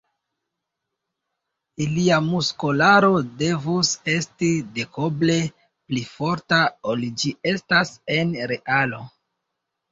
Ilia muskolaro devus esti dekoble pli forta, ol ĝi estas en realo.